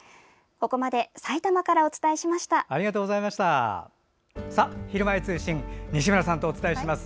ここまでさいたまからお伝えしました。